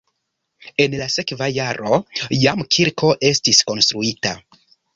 En la sekva jaro jam kirko estis konstruita.